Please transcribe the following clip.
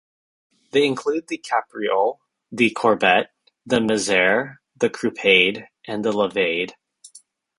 They include the capriole, the courbette, the mezair, the croupade and the levade.